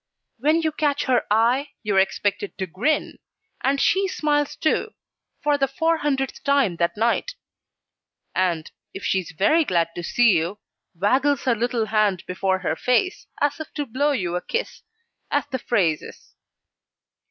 When you catch her eye, you are expected to grin, and she smiles too, for the four hundredth time that night; and, if she's very glad to see you, waggles her little hand before her face as if to blow you a kiss, as the phrase is.